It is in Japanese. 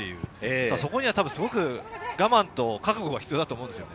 そこですごく我慢と覚悟が必要だと思うんです。